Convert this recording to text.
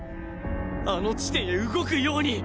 あの地点へ動くように！